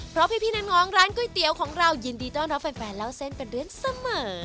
เพราะพี่น้องร้านก๋วยเตี๋ยวของเรายินดีต้อนรับแฟนเล่าเส้นเป็นเรื่องเสมอ